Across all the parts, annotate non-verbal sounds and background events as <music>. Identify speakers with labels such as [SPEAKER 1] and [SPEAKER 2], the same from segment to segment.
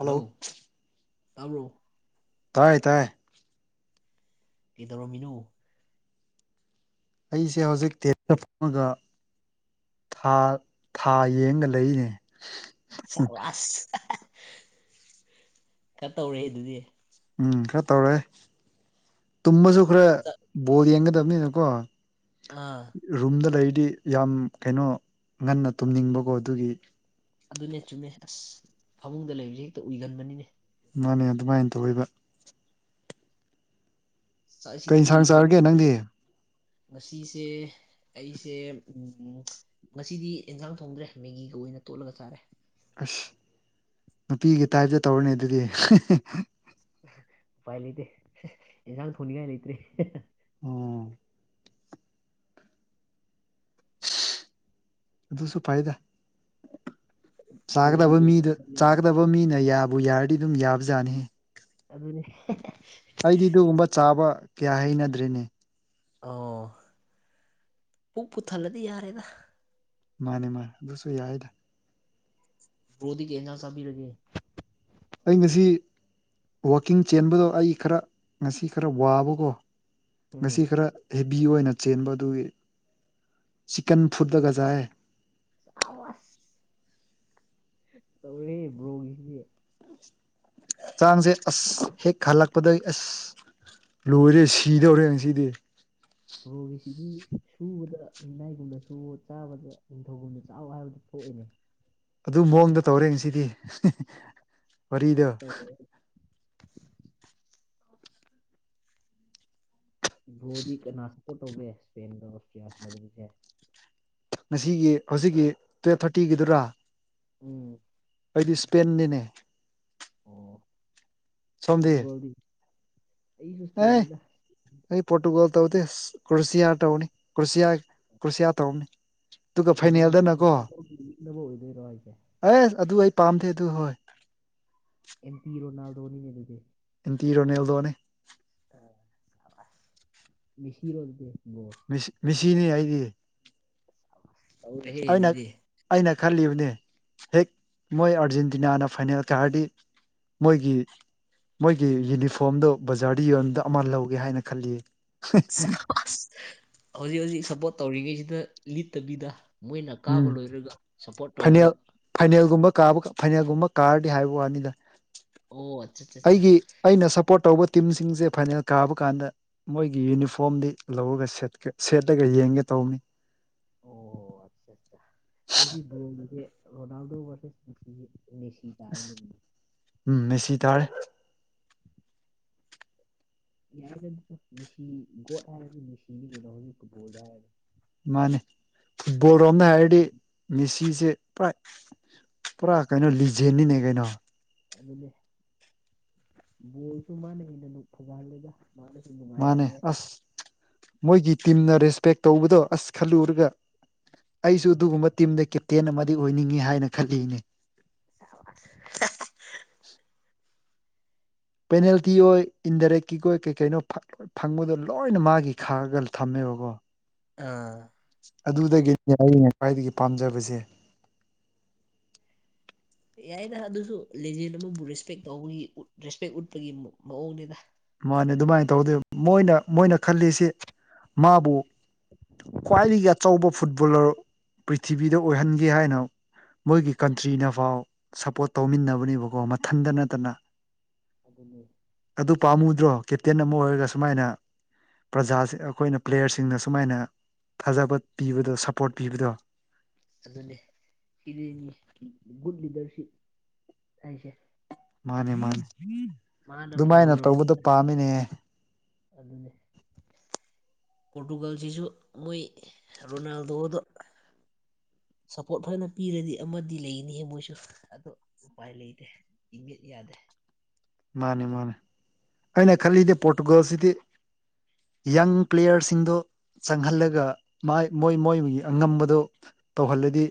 [SPEAKER 1] Hello ꯇꯥꯕ꯭ꯔꯣ
[SPEAKER 2] ꯇꯥꯏ ꯇꯥꯏ
[SPEAKER 1] ꯀꯩꯗꯧꯔꯝꯃꯤꯅꯣ
[SPEAKER 2] ꯑꯩꯁꯦ ꯍꯧꯖꯤꯛ ꯇꯦꯠꯇ ꯐꯪꯉꯒ ꯊꯥ ꯌꯦꯡꯒ ꯂꯩꯅꯦ
[SPEAKER 1] ꯁꯕꯥꯁ ꯈꯔ ꯇꯧꯔꯦ ꯑꯗꯨꯗꯤ
[SPEAKER 2] ꯎꯝ ꯈꯔ ꯇꯧꯔꯦ ꯇꯨꯝꯃꯖꯨ ꯈꯔ
[SPEAKER 1] ꯆꯠ
[SPEAKER 2] ꯕꯣꯜ ꯌꯦꯡꯒꯗꯕꯅꯤꯅꯀꯣ
[SPEAKER 1] ꯃꯥ
[SPEAKER 2] ꯔꯨꯝꯗ ꯂꯩꯔꯤꯗꯤ ꯌꯥꯝ ꯀꯩꯅꯣ ꯉꯟꯅ ꯇꯨꯝꯅꯤꯡꯕꯀꯣ ꯑꯗꯨꯒꯤ꯫
[SPEAKER 1] ꯑꯗꯨꯅꯦ ꯆꯨꯝꯃꯦ ꯑꯁ ꯐꯃꯨꯡꯗ ꯂꯩꯕꯁꯦ ꯍꯦꯛꯇ ꯎꯏꯒꯟꯕꯅꯤꯅꯦ꯫
[SPEAKER 2] ꯃꯥꯅꯦ ꯑꯗꯨꯃꯥꯏꯅ ꯇꯧꯋꯕ꯫
[SPEAKER 1] ꯆꯥꯛ
[SPEAKER 2] ꯀꯩ
[SPEAKER 1] ꯏꯁꯤꯡꯗꯤ
[SPEAKER 2] ꯏꯟꯁꯥꯡ ꯆꯥꯔꯒꯦ
[SPEAKER 1] ꯍꯣꯠꯅ
[SPEAKER 2] ꯅꯪꯗꯤ
[SPEAKER 1] <unintelligible> ꯉꯁꯤꯁꯦ ꯑꯩꯁꯦ ꯉꯁꯤꯗꯤ ꯏꯟꯖꯥꯡ ꯊꯣꯡꯗ꯭ꯔꯦ ꯃꯦꯒꯤꯒ ꯑꯣꯏꯅ ꯇꯣꯠꯂꯒ ꯆꯥꯔꯦ꯫
[SPEAKER 2] ꯑꯁ ꯅꯨꯄꯤꯒꯤ ꯇꯥꯏꯞꯇ ꯇꯧꯔꯅꯦ ꯑꯗꯨꯗꯤ꯫
[SPEAKER 1] ꯎꯄꯥꯏ ꯂꯩꯇꯦ ꯑꯦꯟꯁꯥꯡ ꯊꯣꯡꯅꯤꯡꯉꯥꯏ ꯂꯩꯇ꯭ꯔꯔꯤ꯫
[SPEAKER 2] ꯑꯣꯝ꯫ ꯑꯗꯨꯁꯨ ꯐꯥꯏꯗ꯫
[SPEAKER 1] ꯕ꯭ꯔꯣꯗꯤ
[SPEAKER 2] ꯆꯥꯒꯗꯕ
[SPEAKER 1] ꯀꯩ ꯏꯟꯁꯥꯡ
[SPEAKER 2] ꯃꯤꯗ
[SPEAKER 1] ꯆꯥꯕꯤꯔꯒꯦ
[SPEAKER 2] ꯆꯥꯒꯗꯕ ꯃꯤꯅ ꯌꯥꯕꯨ ꯌꯥꯔꯗꯤ ꯑꯗꯨꯝ ꯌꯥꯕꯖꯥꯠꯅꯤꯍ꯫
[SPEAKER 1] ꯑꯗꯨꯅꯦ꯫
[SPEAKER 2] ꯑꯩꯗꯤ ꯑꯗꯨꯒꯨꯝꯕ ꯆꯥꯕ ꯀꯌꯥ ꯍꯩꯅꯗ꯭ꯔꯤꯅꯦ꯫
[SPEAKER 1] ꯑꯣ ꯄꯨꯛ ꯄꯨꯊꯜꯂꯗꯤ ꯌꯥꯔꯦꯗ꯫
[SPEAKER 2] ꯃꯥꯅꯦ ꯃꯥꯅꯦ ꯑꯗꯨꯁꯨ ꯌꯥꯏꯗ꯫
[SPEAKER 1] ꯕ꯭ꯔꯣꯗꯤ ꯀꯩ ꯏꯟꯖꯥꯡ ꯆꯥꯕꯤꯔꯒꯦ꯫
[SPEAKER 2] ꯑꯩ ꯉꯁꯤ ꯋꯥꯛꯀꯤꯡ ꯆꯦꯟꯕꯗꯣ ꯑꯩ ꯈꯔ ꯉꯁꯤ ꯈꯔ ꯋꯥꯕꯀꯣ꯫
[SPEAKER 1] ꯎꯝ
[SPEAKER 2] ꯉꯁꯤ ꯈꯔ꯫ ꯍꯦꯕꯤ ꯑꯣꯏꯅ ꯆꯦꯟꯕ ꯑꯗꯨꯒꯤ ꯆꯤꯛꯀꯟ ꯐꯨꯠꯇꯠꯇꯒꯖꯥꯏ꯫
[SPEAKER 1] ꯁꯕꯁ ꯇꯧꯔꯦꯍꯦ ꯕ꯭ꯔꯣꯒꯤꯁꯦ꯫
[SPEAKER 2] ꯆꯥꯡꯁꯦ ꯑꯁ ꯍꯦꯛ ꯍꯜꯂꯛꯄꯗꯒꯤ ꯑꯁ ꯂꯣꯏꯔꯦ ꯁꯤꯗꯧꯔꯦ ꯉꯁꯤꯗꯤ꯫
[SPEAKER 1] ꯕ꯭ꯔꯣꯒꯤ ꯁꯤꯗꯤ ꯁꯨꯕꯗ ꯃꯤꯅꯥꯏꯒꯨꯝꯕꯗ ꯁꯨꯑꯣ ꯆꯥꯕꯗ ꯅꯤꯡꯊꯧꯒꯨꯝꯅ ꯆꯥꯎꯋ ꯍꯥꯏꯕꯗꯨ ꯊꯣꯛꯑꯦꯅꯦ꯫
[SPEAKER 2] ꯑꯗꯨ ꯃꯑꯣꯡꯗ ꯇꯧꯔꯦ ꯉꯁꯤꯗꯤ꯫ ꯋꯥꯔꯤꯗꯣ
[SPEAKER 1] ꯑꯗꯨꯅꯦ ꯕ꯭ꯔꯣꯗꯤ ꯀꯅꯥ ꯁꯄꯣꯔ ꯇꯧꯒꯦ ꯏꯁꯄꯦꯟꯒ <unintelligible>
[SPEAKER 2] ꯉꯁꯤꯒꯤ ꯍꯧꯖꯤꯛꯀꯤ ꯇꯨꯌꯦꯞ ꯊꯥꯔꯇꯤꯒꯤꯗꯨꯔꯥ꯫
[SPEAKER 1] ꯎꯝ꯫
[SPEAKER 2] ꯑꯩꯗꯤ ꯏꯁꯄꯦꯟꯅꯤꯅꯦ꯫ ꯁꯣꯝꯗꯤ
[SPEAKER 1] ꯄꯣꯇ꯭ꯔꯨꯒꯜꯗꯤ ꯑꯩꯁꯨ
[SPEAKER 2] ꯑꯦ
[SPEAKER 1] ꯏꯁꯄꯦꯅꯤꯗ꯫
[SPEAKER 2] ꯑꯩ ꯄꯣꯇ꯭ꯔꯨꯒꯣꯜ ꯇꯧꯗꯤ ꯀ꯭ꯔꯣꯁꯤꯌ ꯇꯧꯅꯤ ꯀ꯭ꯔꯣꯁꯤꯌ ꯀ꯭ꯔꯣꯁꯤꯌꯥ ꯇꯧꯝꯅꯤ ꯑꯗꯨꯒ
[SPEAKER 1] ꯔꯣꯅꯥꯜ
[SPEAKER 2] ꯐꯥꯏꯅꯦꯜꯗꯅꯀꯣ꯫
[SPEAKER 1] ꯔꯣꯅꯥꯜꯗꯣꯒꯤ ꯌꯦꯛꯅꯕ ꯑꯣꯏꯗꯣꯏꯔꯣ ꯍꯥꯏꯁꯦ
[SPEAKER 2] ꯑꯁ ꯑꯗꯨ ꯑꯩ ꯄꯥꯝꯗꯦ ꯑꯗꯨ ꯍꯣꯏ꯫
[SPEAKER 1] ꯑꯦꯝꯄꯤ ꯔꯣꯅꯥꯜꯗꯣꯅꯤꯅꯦ ꯑꯗꯨꯗꯤ꯫
[SPEAKER 2] ꯏꯟꯇꯤ ꯔꯣꯅꯦꯜꯗꯣꯅꯤ꯫
[SPEAKER 1] ꯑ ꯁꯕꯁ <unintelligible>
[SPEAKER 2] ꯃꯦꯁꯤꯅꯤ ꯑꯩꯏꯗꯤ꯫
[SPEAKER 1] ꯇꯧꯔꯦꯍꯦ
[SPEAKER 2] ꯑꯩꯅ
[SPEAKER 1] ꯑꯗꯨꯗꯤ꯫
[SPEAKER 2] ꯑꯩꯅ ꯈꯜꯂꯤꯕꯅꯦ ꯍꯦꯛ ꯃꯣꯏ ꯑꯥꯔꯖꯦꯟꯇꯤꯅꯥꯅ ꯐꯥꯏꯅꯦꯜ ꯀꯥꯔꯗꯤ꯫ ꯃꯣꯏꯒꯤ꯫ ꯃꯣꯏꯒꯤ ꯌꯨꯅꯤꯐꯣꯝꯗꯣ ꯕꯖꯥꯔꯗ ꯌꯣꯟꯕꯗꯣ ꯑꯃ ꯂꯧꯒꯦ ꯍꯥꯏꯅ ꯈꯜꯂꯤꯌꯦ꯫
[SPEAKER 1] ꯑꯁ <unintelligible> ꯍꯧꯖꯤꯛ ꯍꯧꯖꯤꯛ ꯁꯞꯄꯣꯔꯠ ꯇꯧꯔꯤꯉꯩꯁꯤꯗ ꯂꯤꯠꯇꯕꯤꯗ꯫ ꯃꯣꯏꯅ ꯀꯥꯕ
[SPEAKER 2] ꯎꯝ
[SPEAKER 1] ꯂꯣꯏꯔꯒ ꯁꯞꯄꯣꯔꯠ ꯇꯧꯕ꯫
[SPEAKER 2] ꯐꯥꯏꯅꯦꯜ ꯐꯥꯏꯅꯦꯜꯒꯨꯝꯕ ꯀꯥꯕ ꯐꯥꯏꯅꯦꯜꯒꯨꯝꯕ ꯀꯥꯔꯗꯤ ꯍꯥꯏꯕ ꯋꯥꯅꯤꯗ꯫
[SPEAKER 1] ꯑꯣ ꯑꯠꯆꯥ꯫ ꯆꯥ ꯆꯥ
[SPEAKER 2] ꯑꯩꯒꯤ ꯑꯩꯅ ꯁꯞꯄꯣꯔꯠ ꯇꯧꯕ ꯇꯤꯝꯁꯤꯡꯁꯦ ꯐꯥꯏꯅꯦꯜ ꯀꯥꯕ ꯀꯥꯟꯗ꯫ ꯃꯣꯏꯒꯤ ꯌꯨꯅꯤꯐꯣꯔꯝꯗꯤ ꯂꯧꯔꯒ ꯁꯦꯠꯀꯦ ꯁꯦꯠꯂꯒ ꯌꯦꯡꯒꯦ ꯇꯧꯕꯅꯤ
[SPEAKER 1] ꯑꯣꯑꯣ ꯑꯆꯥꯆꯥ ꯑꯗꯨꯗꯤ ꯕ꯭ꯔꯣꯒꯤꯖꯦ ꯔꯣꯅꯥꯜꯗꯣ ꯕ꯭ꯔꯁꯦꯁ ꯃꯦꯁꯤ
[SPEAKER 2] ꯑꯁ
[SPEAKER 1] ꯇꯥꯔꯦꯅꯦ
[SPEAKER 2] ꯎꯝ ꯃꯦꯁꯤ ꯇꯥꯔꯦ
[SPEAKER 1] ꯌꯥꯏ ꯑꯗꯨꯖꯨ ꯃꯦꯁꯤ ꯒꯣꯠ ꯍꯥꯏꯔꯗꯤ ꯃꯦꯁꯤꯅꯤ ꯀꯩꯅꯣ ꯍꯧꯖꯤꯛ ꯐꯨꯠꯕꯣꯜꯗ ꯍꯥꯏꯔꯗꯤ
[SPEAKER 2] ꯃꯥꯟꯅꯦ ꯐꯨꯠꯕꯣꯜ ꯔꯣꯝꯗ ꯍꯥꯏꯔꯗꯤ ꯃꯦꯁꯤꯁꯦ ꯄꯨꯔꯥ ꯄꯨꯔꯥ ꯀꯩꯅꯣ ꯂꯤꯖꯦꯟꯅꯤꯅꯦ ꯀꯩꯅꯣ
[SPEAKER 1] ꯑꯗꯨꯅꯦ ꯕꯣꯜꯖꯨ ꯃꯥꯅ ꯍꯦꯟꯅ ꯅꯨꯡ ꯐꯪꯍꯜꯂꯦꯗ UNINTELLIGIBLE
[SPEAKER 2] ꯃꯥꯅꯦ ꯑꯥꯁ ꯃꯣꯏꯒꯤ ꯇꯤꯝꯅ ꯔꯦꯁꯄꯦꯛ ꯇꯧꯕꯗꯣ ꯑꯁ ꯈꯜꯂꯨꯔꯒ ꯑꯩꯖꯨ ꯑꯗꯨꯒꯨꯝꯕ ꯇꯤꯝꯗ ꯀꯦꯞꯇꯦꯟ ꯑꯃꯗꯤ ꯑꯣꯏꯅꯤꯡꯉꯦ ꯍꯥꯏꯅ ꯈꯜꯂꯤꯕꯅꯦ
[SPEAKER 1] INAUDIBLE
[SPEAKER 2] ꯄꯦꯅꯥꯜꯇꯤ ꯑꯣꯏ ꯏꯟꯗꯥꯏꯔꯦꯛꯀꯤꯛ ꯑꯣꯏ ꯀꯩ ꯀꯩꯅꯣ ꯐꯥ ꯐꯪꯕꯗꯣ ꯂꯣꯏꯅ ꯃꯥꯒꯤ ꯈꯥꯛꯑꯒ ꯊꯝꯃꯦꯕꯀꯣ
[SPEAKER 1] ꯑꯥꯑ
[SPEAKER 2] ꯑꯗꯨꯗꯒꯤꯅꯤ ꯑꯩꯅ ꯈ꯭ꯋꯥꯏꯗꯒꯤ ꯄꯥꯝꯖꯕꯖꯦ
[SPEAKER 1] ꯌꯥꯔꯦꯗ ꯑꯗꯨꯖꯨ ꯂꯤꯖꯦꯟ ꯑꯃꯕꯨ ꯔꯦꯁꯄꯦꯛ ꯇꯧꯕꯒꯤ ꯔꯦꯁꯄꯦꯛ ꯎꯠꯄꯒꯤ ꯃꯥ ꯃꯑꯣꯡꯅꯤꯗ
[SPEAKER 2] ꯃꯥꯅꯦ ꯑꯗꯨꯃꯥꯏ ꯇꯧꯔꯗꯤ ꯃꯣꯏꯅ ꯃꯣꯏꯅ ꯈꯜꯂꯤꯁꯤ ꯃꯥꯕꯨ ꯈ꯭ꯋꯥꯏꯗꯒꯤ ꯑꯆꯧꯕ ꯐꯨꯠꯕꯣꯂꯔ ꯄ꯭ꯔꯤꯊꯤꯕꯤꯗ ꯑꯣꯏꯍꯟꯒꯦ ꯍꯥꯏꯅ ꯃꯣꯏꯒꯤ ꯀꯟꯇ꯭ꯔꯤꯅꯐꯥꯎ ꯁꯄꯣꯔꯠ ꯇꯧꯃꯤꯟꯅꯕꯅꯦꯕꯀꯣ ꯃꯊꯟꯇ ꯅꯠꯇꯅ
[SPEAKER 1] ꯑꯗꯨꯅꯤ
[SPEAKER 2] ꯑꯗꯨ ꯄꯥꯝꯃꯨꯗ꯭ꯔꯣ ꯀꯦꯞꯇꯦꯟ ꯑꯃ ꯑꯣꯏꯔꯒ ꯁꯨꯃꯥꯏꯅ ꯄ꯭ꯔꯖꯥꯁꯦ ꯑꯩꯈꯣꯏꯅ ꯄ꯭ꯂꯦꯌꯔꯁꯤꯡꯅ ꯁꯨꯃꯥꯏꯅ ꯊꯥꯖꯕ ꯄꯤꯕꯗꯣ ꯁꯄꯣꯔꯠ ꯄꯤꯕꯗꯣ
[SPEAKER 1] ꯑꯗꯨꯅꯦ ꯁꯤꯗꯅꯤ ꯒꯨꯗ ꯂꯤꯗꯔꯁꯤꯞ ꯍꯥꯏꯁꯦ
[SPEAKER 2] ꯃꯥꯅꯦ ꯃꯥꯅꯦ
[SPEAKER 1] ꯃꯥꯅ
[SPEAKER 2] ꯑꯗꯨꯃꯥꯏꯅ
[SPEAKER 1] ꯐꯔꯨꯔꯕꯅꯤ
[SPEAKER 2] ꯇꯧꯕꯗꯣ ꯄꯥꯝꯃꯤꯅꯦ
[SPEAKER 1] ꯑꯗꯨꯅꯦ ꯄꯣꯔꯇꯨꯒꯥꯜꯖꯤꯖꯨ ꯃꯣꯏ ꯔꯣꯅꯥꯜꯗꯣꯗꯣ ꯁꯄꯣꯔꯠ ꯐꯖꯅ ꯄꯤꯔꯗꯤ ꯑꯃꯗꯤ ꯂꯩꯅꯤꯍꯦ ꯃꯣꯏꯖꯨ ꯑꯗꯨ ꯎꯄꯥꯏ ꯂꯩꯇꯦ UNINTELLIGIBLE
[SPEAKER 2] ꯃꯥꯟꯅꯦ ꯃꯥꯟꯅꯦ ꯑꯩꯅ ꯈꯜꯂꯤꯗꯤ ꯄꯣꯔꯇꯨꯒꯜꯁꯤꯗꯤ ꯌꯪ ꯄ꯭ꯂꯦꯌꯔꯁꯤꯡꯗꯣ ꯆꯪꯍꯜꯂꯒ ꯃꯥꯏ ꯃꯣꯏ ꯃꯣꯏꯒꯤ ꯑꯉꯝꯕꯗꯨ ꯇꯧꯍꯜꯂꯗꯤ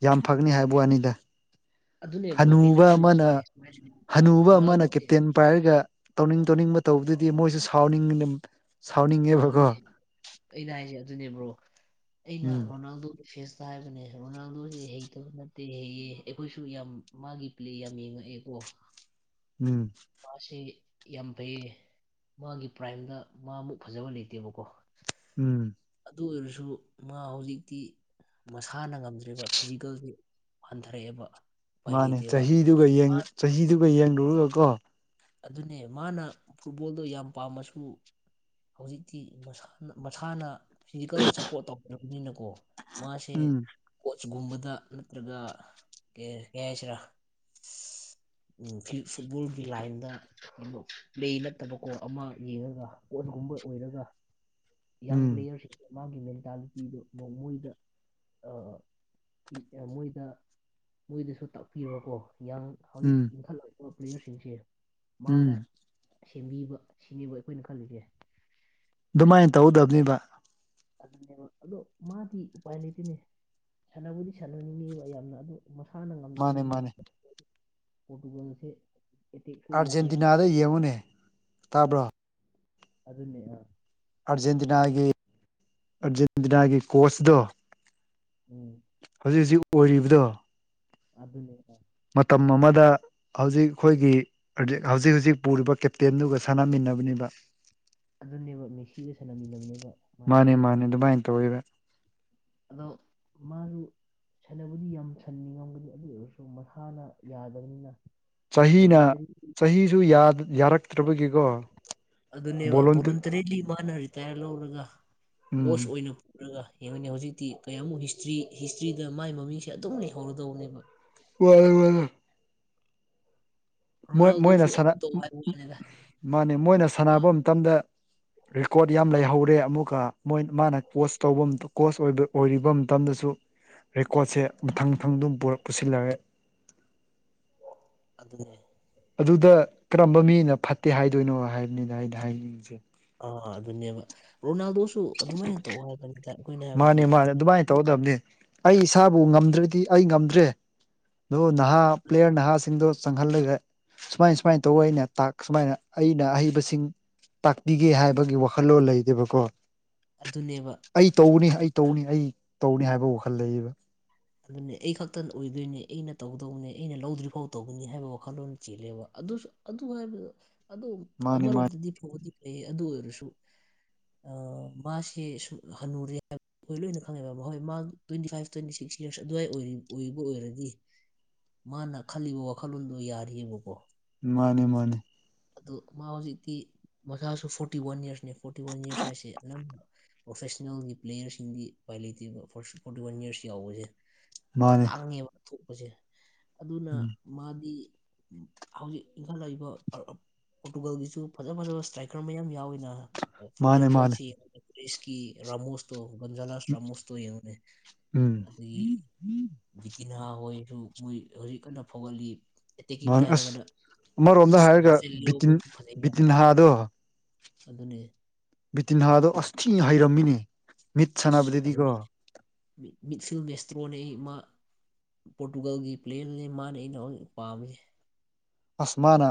[SPEAKER 2] ꯌꯥꯝ ꯐꯒꯅꯤ ꯍꯥꯏꯕ ꯋꯥꯅꯤꯗ
[SPEAKER 1] ꯑꯗꯨꯅꯦ ꯕ꯭ꯔꯣ ꯑꯩꯅ
[SPEAKER 2] ꯍꯅꯨꯕ ꯑꯃꯅ
[SPEAKER 1] ꯈꯜꯂꯤꯁꯤꯅꯦ ꯁꯨꯃꯥꯏꯅ
[SPEAKER 2] ꯍꯅꯨꯕ ꯑꯃꯅ
[SPEAKER 1] ꯔꯣꯅꯥꯜꯗꯣꯁꯦ
[SPEAKER 2] ꯀꯦꯞꯇꯦꯟ ꯄꯥꯏꯔꯒ ꯇꯧꯅꯤꯡ ꯇꯧꯅꯤꯡꯕ ꯇꯧꯕꯗꯨꯗꯤ ꯃꯣꯏꯁꯨ ꯁꯥꯎꯅꯤꯡꯒꯅꯤ ꯁꯥꯎꯅꯤꯡꯉꯦ
[SPEAKER 1] ꯑꯗꯨꯅꯦ ꯑꯩꯅ ꯍꯥꯏꯖꯦ ꯑꯗꯨꯅꯦ ꯕ꯭ꯔꯣ ꯑꯩꯅ
[SPEAKER 2] ꯎꯝ
[SPEAKER 1] ꯔꯣꯅꯥꯜꯗꯣꯒꯤ ꯐꯦꯟꯁ ꯍꯥꯏꯕꯅꯦ ꯔꯣꯅꯥꯜꯗꯣꯖꯦ ꯍꯩꯇꯕ ꯅꯠꯇꯦ ꯍꯩꯌꯦ ꯑꯩꯈꯣꯏꯁꯨ ꯌꯥꯝ ꯃꯥꯒꯤ ꯄ꯭ꯂꯦ ꯌꯥꯝ ꯌꯦꯡꯉꯛꯑꯦꯀꯣ
[SPEAKER 2] ꯎꯝ
[SPEAKER 1] ꯃꯥꯁꯤ ꯌꯥꯝ ꯐꯩꯌꯦ ꯃꯥꯒꯤ ꯄ꯭ꯔꯥꯏꯝꯗ ꯃꯥꯃꯨꯛ ꯐꯖꯕ ꯂꯩꯇꯦꯕꯀꯣ
[SPEAKER 2] ꯎꯝ
[SPEAKER 1] ꯑꯗꯨ ꯑꯣꯏꯔꯁꯨ ꯃꯥ ꯍꯧꯖꯤꯛꯇꯤ ꯃꯁꯥꯅ ꯉꯝꯗ꯭ꯔꯦꯕ ꯐꯤꯖꯤꯀꯦꯜꯒꯤ ꯍꯟꯊꯔꯛꯑꯦꯕ ꯎꯄꯥꯏ
[SPEAKER 2] ꯃꯥꯅꯦ
[SPEAKER 1] ꯂꯩꯇꯦꯕ
[SPEAKER 2] ꯆꯍꯤꯗꯨꯒꯥ
[SPEAKER 1] ꯃꯥꯅ
[SPEAKER 2] ꯌꯦꯡ ꯆꯍꯤꯗꯨꯒ ꯌꯦꯡꯔꯨꯔꯥꯒꯥ ꯀꯣ
[SPEAKER 1] ꯑꯗꯨꯅꯦ ꯃꯥꯅ ꯐꯨꯠꯕꯣꯜꯗꯣ ꯌꯥꯝ ꯄꯥꯝꯃꯥꯁꯨ ꯍꯧꯖꯤꯛꯇꯤ ꯃꯁꯥꯅ ꯃꯁꯥꯅ ꯐꯤꯖꯤꯀꯦꯜꯅ ꯁꯞꯄꯣꯔꯠ ꯇꯧꯔꯥꯕꯅꯤꯅꯀꯣ ꯃꯥꯁꯦ
[SPEAKER 2] ꯎꯝ
[SPEAKER 1] ꯀꯣꯁꯒꯨꯝꯕꯗ ꯅꯠꯇ꯭ꯔꯒ ꯀꯩ ꯍꯥꯏꯁꯤꯔꯥ ꯎꯝ ꯐꯨꯠꯕꯣꯜꯒꯤ ꯂꯥꯏꯟ ꯗꯥ ꯀꯩꯅꯣ <unintelligible> ꯄꯂꯦ ꯅꯠꯇꯥꯕꯀꯣ ꯑꯃ ꯌꯦꯡꯉꯒ ꯀꯣꯁꯀꯨꯝꯕ ꯑꯣꯏꯔꯒ
[SPEAKER 2] ꯎꯝ
[SPEAKER 1] <unintelligible> ꯃꯥꯒꯤ ꯃꯦꯟꯇꯥꯂꯤꯇꯤꯗꯨ ꯃꯣꯏꯗ ꯑ ꯃꯣꯏꯗ ꯃꯣꯏꯗꯁꯨ ꯇꯥꯛꯄꯤꯔꯣꯀꯣ ꯌꯥꯡ ꯍꯧꯖꯤꯛ
[SPEAKER 2] ꯎꯝ
[SPEAKER 1] ꯏꯟꯈꯠꯂꯛꯄ ꯄ꯭ꯂꯦꯌꯔ ꯁꯤꯡꯁꯦ
[SPEAKER 2] ꯎꯝ
[SPEAKER 1] ꯃꯥꯅ ꯁꯦꯝꯕꯤꯕ ꯁꯤꯅꯦꯕ ꯑꯩꯈꯣꯏꯅ ꯈꯜꯂꯤꯖꯦ
[SPEAKER 2] ꯑꯗꯨꯃꯥꯏꯅ ꯇꯧꯗꯕꯅꯤꯕ
[SPEAKER 1] ꯑꯗꯨꯅꯦꯕ ꯑꯗꯣ ꯃꯥꯗꯤ ꯎꯄꯥꯏ ꯂꯩꯇꯦꯅꯦ ꯁꯥꯟꯅꯕꯨꯗꯤ ꯁꯥꯟꯅꯅꯤꯡꯉꯦꯕ ꯌꯥꯝꯅ ꯑꯗꯣ ꯃꯁꯥꯅ
[SPEAKER 2] ꯃꯥꯅꯦ
[SPEAKER 1] ꯉꯝꯗꯕꯅꯤꯅ
[SPEAKER 2] ꯃꯥꯅꯦ
[SPEAKER 1] ꯄꯣꯔꯇꯨꯒꯜꯁꯦ ꯑꯦꯇꯦꯛ ꯁꯣꯏꯔꯤꯁꯦ
[SPEAKER 2] ꯑꯥꯔꯖꯦꯟꯇꯤꯅꯥꯗ ꯌꯦꯡꯉꯨꯅꯦ ꯇꯥꯕ꯭ꯔꯣ
[SPEAKER 1] ꯑꯗꯨꯅꯦꯍꯥ
[SPEAKER 2] ꯑꯔꯖꯦꯟꯇꯤꯅꯥꯒꯤ ꯑꯔꯖꯦꯟꯇꯤꯅꯥꯒꯤ ꯀꯣꯁꯗꯣ
[SPEAKER 1] ꯎꯝ
[SPEAKER 2] ꯍꯧꯖꯤꯛ ꯍꯧꯖꯤꯛ ꯑꯣꯏꯔꯤꯕꯗꯣ
[SPEAKER 1] ꯑꯗꯨꯅꯦ
[SPEAKER 2] ꯃꯇꯝ ꯑꯃꯗ ꯍꯧꯖꯤꯛ ꯈꯣꯏꯒꯤ ꯍꯧ <unintelligible> ꯍꯧꯖꯤꯛ ꯍꯧꯖꯤꯛ ꯄꯨꯔꯤꯕ ꯀꯦꯞꯇꯦꯟꯗꯨꯒ ꯁꯥꯟꯅꯃꯤꯟꯅꯕꯅꯤꯕ
[SPEAKER 1] ꯑꯗꯨꯅꯦꯕ ꯃꯤꯁꯤꯒ ꯁꯥꯟꯅꯃꯤꯟꯅꯕꯅꯦꯕ ꯃꯥꯏꯁꯦ
[SPEAKER 2] <unintelligible> ꯇꯧꯋꯦ
[SPEAKER 1] ꯑꯗꯣ ꯃꯥꯖꯨ ꯁꯥꯟꯕꯨꯗꯤ ꯌꯥꯝ ꯁꯥꯟꯅꯤꯡꯉꯝꯒꯅꯤ ꯑꯗꯨ ꯑꯣꯏꯔꯁꯨ ꯃꯁꯥꯅ ꯌꯥꯗꯕꯅꯤꯅ
[SPEAKER 2] ꯆꯥꯍꯤꯅ
[SPEAKER 1] ꯚꯣꯂꯨꯟꯇꯔꯤ
[SPEAKER 2] ꯆꯥꯍꯤꯁꯨ ꯌꯥ ꯌꯥꯔꯛ
[SPEAKER 1] ꯑꯗꯨꯅꯦꯕ
[SPEAKER 2] ꯕꯣꯂꯣꯟꯇꯔꯤ
[SPEAKER 1] ꯕꯣꯂꯨꯟꯇꯔꯤꯂꯤ ꯃꯥꯅ ꯔꯤꯇꯥꯌ꯭ꯔ ꯂꯧꯔꯒ ꯀꯣꯁ
[SPEAKER 2] ꯎꯝ
[SPEAKER 1] ꯑꯣꯏꯅ ꯄꯨꯔꯒ ꯌꯦꯡꯉꯨꯅꯦ ꯍꯧꯖꯤꯛꯇꯤ ꯀꯌꯥꯃꯨꯛ ꯍꯤꯁꯇ꯭ꯔꯤ ꯍꯤꯁꯇ꯭ꯔꯤꯗ ꯃꯥꯏ ꯃꯃꯤꯡꯁꯦ ꯑꯗꯨꯝ ꯂꯩꯍꯧꯔꯗꯧꯅꯦꯕ
[SPEAKER 2] ꯃꯥꯅꯦ <unintelligible> ꯃꯥꯅꯦ <unintelligible> ꯃꯣꯏ ꯃꯣꯏꯅ
[SPEAKER 1] ꯔꯣꯅꯥꯜꯗꯣꯁꯨ
[SPEAKER 2] ꯁꯥꯟꯅ
[SPEAKER 1] ꯑꯗꯨꯝ ꯇꯧ
[SPEAKER 2] ꯎꯝ
[SPEAKER 1] ꯍꯥꯏꯕ
[SPEAKER 2] ꯎꯝ
[SPEAKER 1] ꯋꯥꯅꯤꯗ
[SPEAKER 2] ꯃꯥꯅꯦ ꯃꯣꯏꯅ
[SPEAKER 1] ꯃꯥ
[SPEAKER 2] ꯁꯥꯟꯅꯕ ꯃꯇꯝꯗ ꯔꯦꯀꯣꯔꯠ ꯌꯥꯝ ꯂꯩꯍꯧꯔꯦ ꯑꯃꯨꯛꯀꯥ ꯃꯣꯏ ꯃꯥꯅ ꯀꯣꯁ ꯇꯧꯕ ꯀꯣꯁ ꯑꯣꯏꯕ ꯑꯣꯏꯔꯤꯕ ꯃꯇꯝꯗꯁꯨ ꯔꯦꯀꯣꯔꯠꯁꯦ ꯃꯊꯪ ꯃꯊꯪ ꯑꯗꯨꯝ ꯄꯨꯔꯛ ꯄꯨꯁꯤꯜꯂꯛꯑꯦ
[SPEAKER 1] ꯑꯗꯨꯅꯦ
[SPEAKER 2] ꯑꯗꯨꯗ ꯀꯔꯝꯕ ꯃꯤꯅ ꯐꯠꯇꯦ ꯍꯥꯏꯗꯣꯏꯅꯣ ꯍꯥꯏꯕꯅꯤꯗ ꯑꯩꯅ ꯍꯥꯏꯅꯤꯡꯉꯤꯁꯦ
[SPEAKER 1] ꯑꯥ ꯑꯗꯨꯅꯦꯕ ꯔꯣꯅꯥꯜꯗꯣꯁꯨ ꯑꯗꯨꯃꯥꯏꯅ ꯇꯧꯑꯣ ꯍꯥꯏꯕꯅꯤꯗ ꯑꯩꯈꯣꯏꯅ ꯍꯥꯏꯕꯗꯤ
[SPEAKER 2] ꯃꯥꯅꯦ ꯃꯥꯅꯦ ꯑꯗꯨꯃꯥꯏꯅ
[SPEAKER 1] ꯍꯥꯏꯗꯤ
[SPEAKER 2] ꯇꯧꯒꯗꯕꯅꯦ ꯑꯩ ꯏꯁꯥꯕꯨ ꯉꯝꯗ꯭ꯔꯥꯗꯤ ꯑꯩ ꯉꯝꯗ꯭ꯔꯦ ꯑꯗꯣ ꯅꯍꯥ
[SPEAKER 1] ꯑꯗꯨꯅꯦ
[SPEAKER 2] ꯄ꯭ꯂꯦꯌꯔ ꯅꯍꯥꯁꯤꯡꯗꯣ ꯆꯪꯍꯜꯂꯒ ꯁꯨꯃꯥꯏ ꯁꯨꯃꯥꯏꯅ ꯇꯧ ꯑꯩꯅꯥ ꯇꯥꯛ ꯁꯨꯃꯥꯏꯅ ꯑꯩꯅ ꯑꯍꯩꯕꯁꯤꯡ ꯇꯥꯛꯄꯤꯒꯦ ꯍꯥꯏꯕꯒꯤ ꯋꯥꯈꯜꯂꯣꯟ ꯂꯩꯗꯦꯕꯀꯣ
[SPEAKER 1] ꯑꯗꯨꯅꯦꯕ
[SPEAKER 2] ꯑꯩ ꯇꯧꯅꯤ ꯑꯩ ꯇꯧꯅꯤ ꯑꯩ ꯇꯧꯅꯤ ꯍꯥꯏꯕ ꯋꯥꯈꯜ ꯂꯩ
[SPEAKER 1] ꯑꯗꯨꯅꯦ ꯑꯩ ꯈꯛꯇ ꯑꯣꯏꯗꯣꯏꯅꯦ ꯑꯩꯅ ꯇꯧꯗꯧꯅꯦ ꯑꯩꯅ ꯂꯧꯗ꯭ꯔꯤꯐꯥꯎ ꯇꯧꯒꯅꯤ ꯍꯥꯏꯕ ꯋꯥꯈꯜꯂꯣꯟ ꯆꯦꯜꯂꯦꯕ ꯑꯗꯨꯁꯨ ꯑꯗꯨ ꯍꯥꯏꯕꯗꯣ ꯑꯗꯨ
[SPEAKER 2] ꯃꯥꯅꯦ ꯃꯥꯅꯦ
[SPEAKER 1] ꯑꯃꯔꯣꯝꯗꯗꯤ ꯐꯥꯕꯨꯗꯤ ꯐꯩꯌꯦ ꯑꯗꯨ ꯑꯣꯏꯔꯁꯨ ꯑꯥ ꯃꯥꯁꯦ <unintelligible> ꯍꯅꯨꯔꯦ ꯑꯈꯣꯏ ꯂꯣꯏꯅ ꯈꯪꯉꯦꯕ ꯍꯣꯏ ꯃꯥ twenty five twenty six yes ꯑꯗꯨ꯭ꯋꯥꯏ ꯑꯣꯏꯕꯥ ꯑꯣꯏꯔꯥꯗꯤ ꯃꯥꯅ ꯈꯜꯂꯤꯕ ꯋꯥꯈꯜꯂꯣꯟꯗꯣ ꯌꯥꯔꯤꯕꯀꯣ꯫
[SPEAKER 2] ꯃꯥꯅꯦ ꯃꯥꯅꯦ꯫
[SPEAKER 1] ꯑꯗꯨ ꯃꯥ ꯍꯧꯖꯤꯛꯇꯤ ꯃꯁꯥꯁꯨ ꯐꯣꯔꯇꯤ ꯋꯥꯟ ꯌꯥꯔꯁꯅꯦ ꯐꯣꯔꯇꯤ ꯋꯥꯟ ꯌꯥꯔꯁ ꯍꯥꯏꯁꯦ ꯑꯗꯨꯝ꯫ ꯄ꯭ꯔꯣꯐꯦꯁꯅꯦꯜꯒꯤ ꯄ꯭ꯂꯦꯌꯔꯁꯤꯡꯗꯤ ꯎꯄꯥꯏ ꯂꯩꯇ꯭ꯔꯤꯕ ꯐ ꯐꯣꯔꯇꯤꯋꯥꯟ ꯌꯔꯁ ꯌꯥꯎꯕꯁꯦ꯫
[SPEAKER 2] ꯃꯥꯅꯦ
[SPEAKER 1] ꯇꯥꯡꯉꯦꯕ ꯊꯣꯛꯄꯁꯦ ꯑꯗꯨꯅ꯫
[SPEAKER 2] ꯎꯝ
[SPEAKER 1] ꯃꯥꯗꯤ ꯍꯧꯖꯤꯛ꯫ ꯏꯟꯈꯠꯂꯛꯏꯕ ꯄꯣꯔꯇꯨꯒꯜꯒꯤꯁꯨ ꯐꯖ ꯐꯖꯕ ꯏꯁꯇ꯭ꯔꯥꯏꯀꯔ ꯃꯌꯥꯝ ꯌꯥꯎꯋꯤꯅ꯫ ꯐꯣꯔ
[SPEAKER 2] ꯃꯥꯅꯦ
[SPEAKER 1] ꯑꯦꯛꯖꯥꯝꯄꯜ
[SPEAKER 2] ꯃꯥꯅꯦ
[SPEAKER 1] ꯁꯤ꯭ꯔꯦꯁꯀꯤ ꯔꯥꯃꯣꯁ ꯇꯣ ꯒꯟꯖꯥꯂꯥꯥꯁ ꯇ꯭ꯔꯥꯃꯣꯁꯇꯣ ꯌꯦꯡꯉꯨꯅꯦ
[SPEAKER 2] ꯎꯝ
[SPEAKER 1] ꯑꯗꯒꯤ꯫ ꯕꯤꯇꯤꯅꯥꯥ ꯍꯣꯏꯁꯨ ꯃꯣꯏ ꯍꯧꯖꯤꯛ ꯀꯟꯅ ꯐꯥꯎꯒꯠꯂꯤ ꯑꯦꯇꯦꯛꯀꯤꯡꯇ
[SPEAKER 2] ꯃꯥꯅꯦ ꯑꯁ
[SPEAKER 1] ꯍꯥꯏꯔꯒꯅ꯫
[SPEAKER 2] ꯑꯃꯔꯣꯝꯗ ꯍꯥꯏꯔꯒ
[SPEAKER 1] ꯔꯐꯦꯜꯂꯤꯑꯣ
[SPEAKER 2] ꯕꯤꯇꯤꯟ
[SPEAKER 1] ꯑꯩꯈꯣꯏꯁꯨ ꯐꯖꯩꯅꯦ
[SPEAKER 2] ꯕꯤꯇꯤꯟꯍꯥꯗꯣ
[SPEAKER 1] ꯑꯗꯨꯅꯦ꯫
[SPEAKER 2] ꯕꯤꯇꯤꯟꯍꯥꯗꯣ ꯑꯁꯊꯤ ꯍꯩꯔꯝꯃꯤꯅꯦ꯫ ꯃꯤꯠ
[SPEAKER 1] ꯐꯖꯩ
[SPEAKER 2] ꯁꯥꯟꯅꯕꯗꯗꯤꯀꯣ
[SPEAKER 1] ꯃꯤꯠꯐꯤꯂꯝ ꯃꯁꯇ꯭ꯔꯣꯅꯦꯍꯦ ꯃꯥ꯫ ꯄꯣꯔꯇꯨꯒꯜꯒꯤ ꯄ꯭ꯂꯦꯌꯔꯅꯦ ꯃꯥꯅ ꯑꯩꯅ ꯍꯧ ꯄꯥꯝꯃꯤꯁꯦ꯫
[SPEAKER 2] ꯑꯁ ꯃꯥꯅ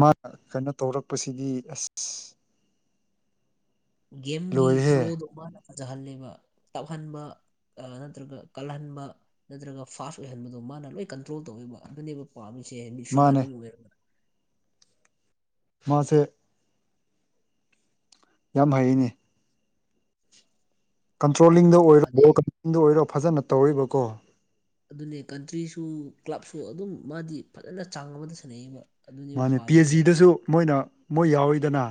[SPEAKER 2] ꯃꯥ ꯀꯩꯅꯣ ꯇꯧꯔꯛꯄꯁꯤꯗꯤ ꯑꯁ꯫
[SPEAKER 1] ꯒꯦꯝꯒꯤ
[SPEAKER 2] ꯂꯣꯏꯔꯦꯍꯦ
[SPEAKER 1] ꯐ꯭ꯂꯣꯗꯣ ꯃꯥꯅ ꯐꯖꯍꯜꯂꯦꯕ ꯇꯞꯍꯟꯕ꯫ ꯑ ꯅꯠꯇ꯭ꯔꯒ ꯀꯜꯍꯟꯕ ꯅꯠꯇ꯭ꯔꯒ ꯐꯥꯁ ꯑꯣꯏꯍꯟꯕꯗꯣ ꯃꯥꯅ ꯂꯣꯏ ꯀꯟꯇ꯭ꯔꯣꯜ ꯇꯧꯋꯦꯕ ꯑꯗꯨꯅꯦꯕ꯫ ꯄꯥꯃꯤꯁꯦ ꯃꯤꯗꯤꯐꯤꯜꯗꯔ
[SPEAKER 2] ꯃꯥꯅꯦ
[SPEAKER 1] ꯑꯃꯝ ꯑꯣꯏꯔꯒ꯫
[SPEAKER 2] ꯃꯥ ꯁꯦ꯫ ꯌꯥꯝ ꯍꯩꯩꯅꯦ꯫ ꯀꯟꯇ꯭ꯔꯣꯂꯤꯡꯗ ꯑꯣꯏꯔꯣ
[SPEAKER 1] ꯑꯗꯩ
[SPEAKER 2] ꯕꯣꯜ <unintelligible> ꯑꯣꯏꯔꯣ ꯐꯖꯅ ꯇꯧꯔꯤꯕꯀꯣ
[SPEAKER 1] ꯑꯗꯨꯅꯦ ꯀꯟꯇ꯭ꯔꯤꯁꯨ ꯀ꯭ꯂꯕꯁꯨ ꯑꯗꯨꯝ ꯃꯥꯗꯤ ꯐꯖꯅ ꯆꯥꯡ ꯑꯃꯗ ꯁꯥꯟꯅꯩꯕ꯫ ꯑꯗꯨꯅꯦꯕ
[SPEAKER 2] ꯃꯥꯅꯦ ꯄꯤ ꯑꯩꯆ
[SPEAKER 1] ꯄꯥꯝꯃꯤꯁꯦ
[SPEAKER 2] ꯖꯤꯗꯁꯨ ꯃꯣꯏꯅ ꯃꯣꯏ ꯌꯥꯎꯋꯤꯗꯅ꯫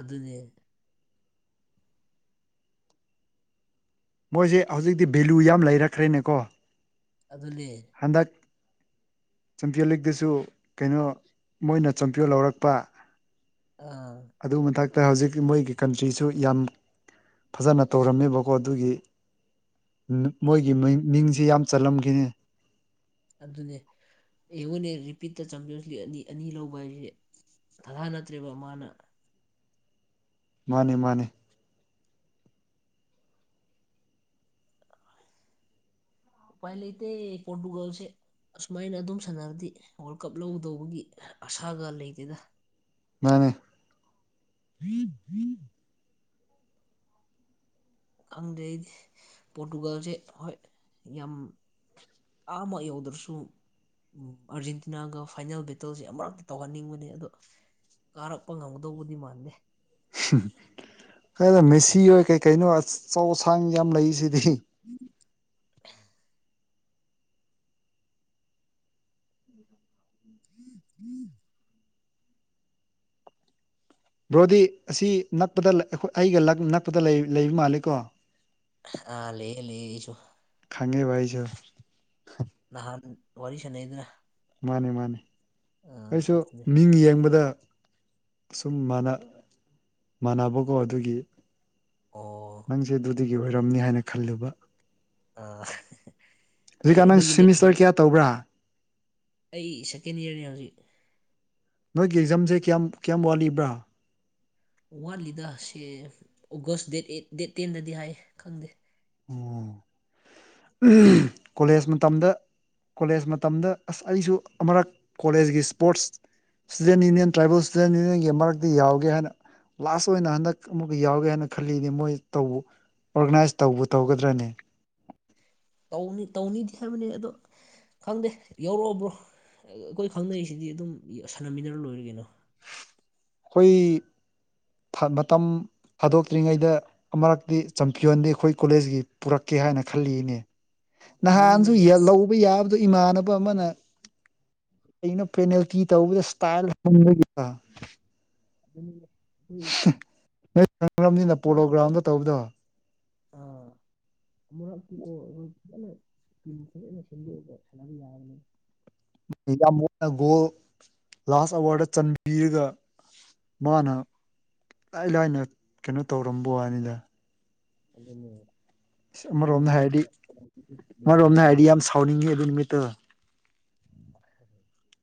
[SPEAKER 1] ꯑꯗꯨꯅꯦ꯫
[SPEAKER 2] ꯃꯣꯏꯁꯦ ꯍꯧꯖꯤꯛꯇꯤ ꯚꯦꯂꯨ ꯌꯥꯝ ꯂꯩꯔꯛꯈ꯭ꯔꯦꯅꯦꯀꯣ꯫
[SPEAKER 1] ꯑꯗꯨꯅꯦ꯫
[SPEAKER 2] ꯍꯟꯗꯛ꯫ ꯆꯝꯄꯤꯌꯟ ꯂꯤꯛꯇꯁꯨ ꯀꯩꯅꯣ ꯃꯣꯏꯅ ꯆꯝꯄꯤꯌꯟ ꯂꯧꯔꯛꯄ꯫
[SPEAKER 1] ꯑꯥ꯫
[SPEAKER 2] ꯑꯗꯨꯒꯤ ꯃꯊꯛꯇ ꯍꯧꯖꯤꯛ ꯃꯣꯏꯒꯤ ꯀꯟꯇ꯭ꯔꯤꯁꯨ ꯌꯥꯝ ꯐꯖꯅ ꯇꯧꯔꯝꯃꯦꯕꯀꯣ ꯑꯗꯨꯒꯤ꯫ ꯃꯣꯏꯒꯤ ꯃꯥ ꯃꯤꯡꯁꯤ ꯌꯥꯝ ꯆꯜꯂꯝꯒꯦꯅꯦ꯫
[SPEAKER 1] ꯑꯗꯨꯅꯦ ꯑꯩꯉꯣꯟꯅꯦ ꯔꯤꯄꯤꯠꯇ ꯆꯪꯖꯁꯤ ꯑꯅꯤ ꯑꯅꯤ ꯂꯧꯕ ꯍꯥꯏꯁꯦ꯫ ꯊ ꯊ ꯅꯠꯇ꯭ꯔꯦꯕ ꯃꯥꯅ꯫
[SPEAKER 2] ꯃꯥꯅꯦ ꯃꯥꯅꯦ꯫
[SPEAKER 1] ꯎꯄꯥꯏ ꯂꯩꯇꯦ ꯄꯣꯇꯨꯒꯜꯁꯦ꯫ ꯑꯁꯨꯃꯥꯏꯅ ꯑꯗꯨꯝ ꯁꯥꯟꯅꯔꯗꯤ ꯋꯥꯔꯜ ꯀꯞ ꯂꯧꯒꯗꯧꯕꯒꯤ ꯑꯁꯥꯒ ꯂꯩꯇꯦꯗ꯫
[SPEAKER 2] ꯃꯥꯅꯦ꯫ <inaudible>
[SPEAKER 1] ꯈꯪꯗꯦ ꯑꯩꯗꯤ ꯄꯣꯔꯇꯨꯒꯥꯜꯁꯦ ꯍꯣꯏ ꯌꯥꯝ ꯑꯥꯃꯛ ꯌꯥꯎꯗꯔꯁꯨ꯫ ꯑꯥꯔꯖꯦꯟꯇꯤꯅꯥꯒ ꯐꯥꯏꯅꯦꯜ ꯕꯦꯇꯜꯁꯦ ꯑꯃꯨꯔꯛꯇꯤ ꯇꯧꯍꯟꯅꯤꯡꯕꯅꯦ ꯑꯗꯣ꯫ ꯀꯥꯔꯛꯄ ꯉꯝꯒꯗꯧꯕꯗꯤ ꯃꯥꯟꯗꯦ꯫
[SPEAKER 2] ꯍꯗ ꯃꯦꯁꯤ ꯑꯣꯏ ꯀꯩ ꯀꯩꯅꯣ ꯑꯆꯧ ꯑꯁꯥꯡ ꯌꯥꯝ ꯂꯩꯁꯤꯗꯤ꯫
[SPEAKER 1] <inaudible>
[SPEAKER 2] ꯕ꯭ꯔꯣꯗꯤ ꯑꯁꯤ ꯅꯛꯄꯗ ꯑꯩꯈ ꯑꯩꯒ ꯅꯛꯄꯗ ꯂꯩꯕ ꯃꯥꯜꯂꯤꯀꯣ꯫
[SPEAKER 1] ꯑꯥ ꯂꯩꯌꯦ ꯂꯩꯌꯦ ꯑꯩꯁꯨ
[SPEAKER 2] ꯈꯪꯉꯦꯕ ꯑꯩꯁꯨ
[SPEAKER 1] ꯅꯍꯥꯟ ꯋꯥꯔꯤ ꯁꯥꯟꯅꯩꯗꯨꯅ
[SPEAKER 2] ꯃꯥꯅꯤ ꯃꯥꯅꯤ ꯑꯩꯁꯨ
[SPEAKER 1] ꯑꯗꯨꯅꯦ
[SPEAKER 2] ꯃꯤꯡ ꯌꯦꯡꯕꯗ ꯁꯨꯝ ꯃꯥꯟꯅ ꯃꯥꯟꯅꯕꯀꯣ ꯑꯗꯨꯒꯤ
[SPEAKER 1] ꯑꯣ
[SPEAKER 2] ꯅꯪꯁꯦ ꯑꯗꯨꯗꯒꯤ ꯑꯣꯏꯔꯝꯅꯤ ꯍꯥꯏꯅ ꯈꯜꯂꯨꯕ
[SPEAKER 1] ꯑꯥ ꯑꯩ
[SPEAKER 2] ꯍꯧꯖꯤꯛꯀꯥꯟ ꯅꯪ
[SPEAKER 1] ꯑꯗꯨꯒꯤꯅꯦ
[SPEAKER 2] ꯁꯤꯃꯤꯁꯇꯔ ꯀꯌꯥ
[SPEAKER 1] <unintelligible>
[SPEAKER 2] ꯇꯧꯕ꯭ꯔꯥ
[SPEAKER 1] ꯑꯩ ꯁꯦꯀꯦꯟ ꯏꯌꯔꯅꯤ ꯍꯧꯖꯤꯛ
[SPEAKER 2] ꯅꯣꯏꯒꯤ ꯑꯦꯛꯖꯥꯝꯖꯦ ꯀꯌꯥꯝ ꯀꯌꯥꯝ ꯋꯥꯠꯂꯤꯕ꯭ꯔꯥ
[SPEAKER 1] ꯋꯥꯠꯂꯤꯗ ꯁꯦ ꯑꯣꯒꯁ ꯗꯦꯠ ꯑꯦꯠ ꯗꯦꯠ ꯇꯦꯟꯗꯗꯤ ꯍꯥꯏ ꯈꯪꯗꯦ
[SPEAKER 2] ꯑꯣ <unintelligible> ꯀꯣꯂꯦꯖ ꯃꯇꯝꯗ ꯀꯣꯂꯦꯖ ꯃꯇꯝꯗ ꯑꯁ ꯑꯩꯁꯨ ꯑꯃꯨꯔꯛ ꯀꯣꯂꯦꯖꯀꯤ sports student union tribal student ꯌꯨꯅꯤꯌꯟꯒꯤ ꯃꯔꯛꯇ ꯌꯥꯎꯒꯦ ꯍꯥꯏꯅ ꯂꯥꯁ ꯑꯣꯏꯅ ꯍꯟꯗꯛ ꯑꯃꯨꯛꯀ ꯌꯥꯎꯒꯦ ꯍꯥꯏꯅ ꯈꯜꯂꯤꯅꯤ ꯃꯣꯏ ꯇꯧꯕ ꯑꯣꯔꯒꯅꯥꯏꯖ ꯇꯧꯕꯨ ꯇꯧꯒꯗ꯭ꯔꯅꯦ
[SPEAKER 1] ꯇꯧꯅꯤ ꯇꯧꯅꯤꯗꯤ ꯍꯥꯏꯕꯅꯤ ꯑꯗꯨ ꯈꯪꯗꯦ ꯌꯥꯎꯔꯛꯑꯣ ꯕ꯭ꯔꯣ ꯑꯩꯈꯣꯏ ꯈꯪꯅꯔꯤꯁꯤꯗꯤ ꯑꯗꯨꯝ ꯁꯥꯟꯅꯃꯤꯟꯅꯔꯥ ꯂꯣꯏꯔꯦ ꯀꯩꯅꯣ
[SPEAKER 2] ꯑꯩꯈꯣꯏ <unintelligible> ꯃꯇꯝ ꯊꯥꯗꯣꯛꯇ꯭ꯔꯤꯉꯩꯗ ꯑꯃꯔꯛꯇꯤ ꯆꯝꯄꯤꯌꯣꯟꯗꯤ ꯑꯩꯈꯣꯏ ꯀꯣꯂꯦꯖꯒꯤ ꯄꯨꯔꯛꯀꯦ ꯍꯥꯏꯅ ꯈꯜꯂꯤꯅꯦ ꯅꯍꯥꯟꯁꯨ
[SPEAKER 1] ꯑꯗꯨꯅꯤꯅꯦ
[SPEAKER 2] ꯌꯦꯜ
[SPEAKER 1] ꯑꯁ
[SPEAKER 2] ꯂꯧꯕ ꯌꯥꯕꯗꯨ ꯏꯃꯥꯟꯅꯕ ꯑꯃꯅ <unintelligible> ꯄꯦꯅꯦꯜꯇꯤ ꯇꯧꯕꯗ ꯏꯁꯇꯥꯏꯜ <unintelligible>
[SPEAKER 1] <unintelligible>
[SPEAKER 2] ꯅꯣꯏ <unintelligible> ꯄꯣꯂꯣ
[SPEAKER 1] ꯑꯃꯨꯔꯛꯇꯤꯀꯣ
[SPEAKER 2] ꯒ꯭ꯔꯥꯎꯟꯗ ꯇꯧꯕꯗꯣ
[SPEAKER 1] ꯑꯥ ꯑꯃꯨꯔꯛꯇꯤ <unintelligible> ꯐꯖꯅ ꯇꯤꯝ ꯐꯖꯅ ꯁꯦꯝꯗꯣꯛꯑꯒ ꯁꯥꯟꯅꯕ ꯌꯥꯕꯅꯤ
[SPEAKER 2] ꯌꯥꯝ ꯃꯨꯟꯅ ꯒꯣꯜ ꯂꯥꯁ ꯑꯋꯔꯗ ꯆꯟꯕꯤꯔꯒ ꯃꯥꯅ ꯂꯥꯏ ꯂꯥꯏꯅ ꯀꯩꯅꯣ ꯇꯧꯔꯝꯕ ꯋꯥꯅꯤꯗ
[SPEAKER 1] ꯑꯗꯨꯅꯦ
[SPEAKER 2] ꯑꯁ
[SPEAKER 1] ꯅꯣꯏ
[SPEAKER 2] ꯑꯃꯔꯣꯝꯗ
[SPEAKER 1] ꯃꯃꯥꯡ
[SPEAKER 2] ꯍꯥꯏꯔꯗꯤ
[SPEAKER 1] <unintelligible>
[SPEAKER 2] <unintelligible> ꯅꯤꯡꯉꯦ ꯑꯗꯨ ꯅꯨꯃꯤꯠꯇꯨ
[SPEAKER 1] <inaudible>